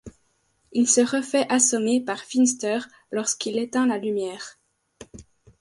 Il se refait assommer par Finster lorsqu'il éteint la lumière.